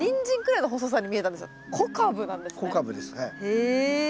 へえ。